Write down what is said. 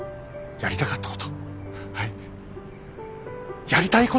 やりたかったこと！